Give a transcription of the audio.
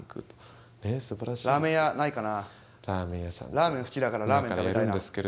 ラーメン好きだからラーメン食べたいな。